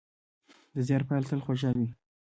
د زیار پایله تل خوږه وي.